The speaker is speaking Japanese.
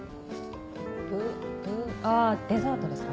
あぁデザートですか？